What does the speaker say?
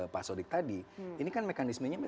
pak sodik tadi ini kan mekanismenya